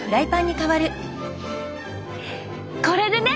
これでね。